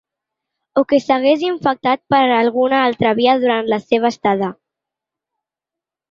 O que s’hagués infectat per alguna altra via durant la seva estada.